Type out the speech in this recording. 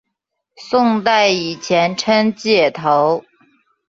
宋代以前称解头。